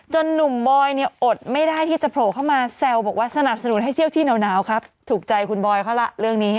หนุ่มบอยเนี่ยอดไม่ได้ที่จะโผล่เข้ามาแซวบอกว่าสนับสนุนให้เที่ยวที่หนาวครับถูกใจคุณบอยเขาล่ะเรื่องนี้